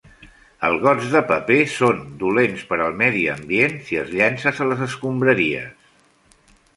Els gots de paper són dolents per al medi ambient si els llances a les escombraries.